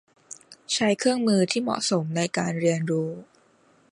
ใช้เครื่องมือที่เหมาะสมในการเรียนรู้